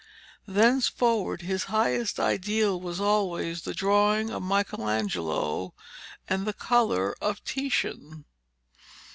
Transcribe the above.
Thenceforward his highest ideal was always 'the drawing of Michelangelo and the colour of Titian.